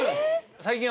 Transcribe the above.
最近は。